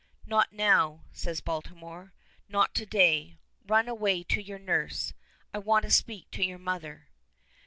"Not now," says Baltimore. "Not to day. Run away to your nurse. I want to speak to your mother."